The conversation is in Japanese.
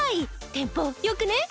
テンポよくね。